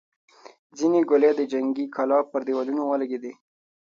ځينې ګولۍ د جنګي کلا پر دېوالونو ولګېدې.